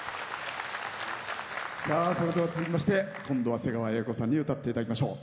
続きまして今度は瀬川瑛子さんに歌っていただきましょう。